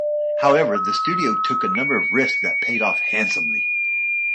However, the studio took a number of risks that paid off handsomely.